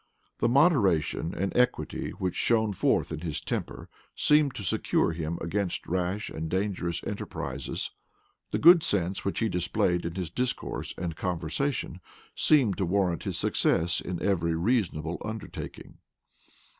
The moderation and equity which shone forth in his temper seemed to secure him against rash and dangerous enterprises: the good sense which he displayed in his discourse and conversation, seemed to warrant his success in every reasonable undertaking.